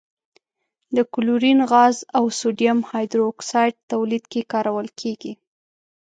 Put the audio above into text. د کلورین غاز او سوډیم هایدرو اکسایډ تولید کې کارول کیږي.